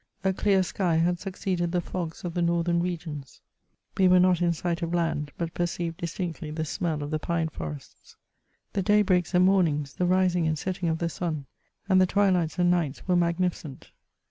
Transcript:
A clear sky had succeeded the fog^ of the northern regions ; we were not in sight of land, but perceived distinctly the smell of the pine forests. The daybreaks and mornings, the rising and setting of the sun, and the twilights and nights were magnificent.